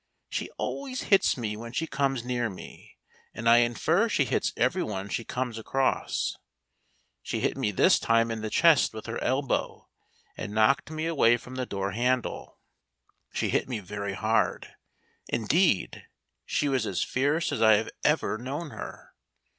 She always hits me when she comes near me, and I infer she hits everyone she comes across. She hit me this time in the chest with her elbow and knocked me away from the door handle. She hit me very hard; indeed, she was as fierce as I have ever known her.